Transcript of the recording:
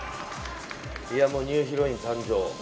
ニューヒロイン誕生！